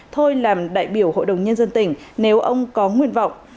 thôi làm đại biểu hội đồng nhân dân tỉnh nếu ông có nguyện vọng